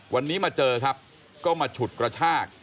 วันนี้มาเจอครับก็มาฉุดกระชาก